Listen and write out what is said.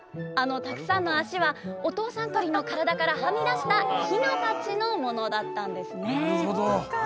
あのたくさんの脚はお父さん鳥の体からはみだしたヒナたちのものだったんですね。